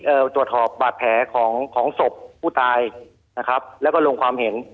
ตรวจสอบบาดแผลของของศพผู้ตายนะครับแล้วก็ลงความเห็น